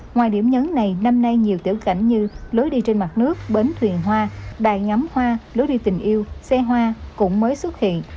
ngoài điểm nhấn này năm nay nhiều tiểu cảnh như lối đi trên mặt nước bến thuyền hoa đài ngắm hoa lối đi tình yêu xe hoa cũng mới xuất hiện